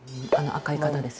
赤い方です。